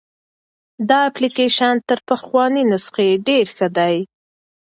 دا اپلیکیشن تر پخواني نسخه ډېر ښه دی.